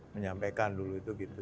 menyampaikan dulu itu gitu